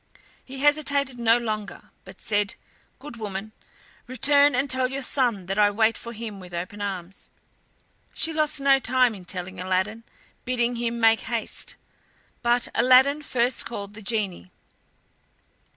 He hesitated no longer, but said: "Good woman, return and tell your son that I wait for him with open arms." She lost no time in telling Aladdin, bidding him make haste. But Aladdin first called the genie.